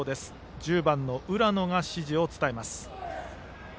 １０番、浦野が指示を伝えました。